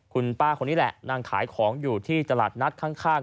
คุณป้าคนนี้แหละนั่งขายของอยู่ที่ตลาดนัดข้าง